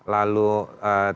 lalu eh teddy minahas